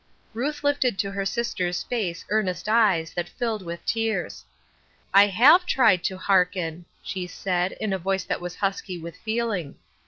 Ruth lifted to her sister's face earnest eyes, that filled with tears. " I have tried to ' hearken,' " she said, in a voice that was husky with feeling.